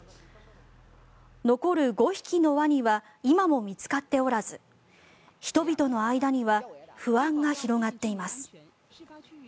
残る５匹のワニは今も見つかっておらず人々の間には不安が広がっています。